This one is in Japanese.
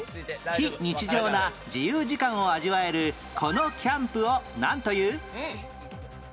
非日常な自由時間を味わえるこのキャンプをなんという？